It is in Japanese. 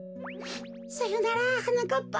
さよならはなかっぱ。